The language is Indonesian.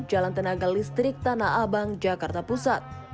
jalan tenaga listrik tanah abang jakarta pusat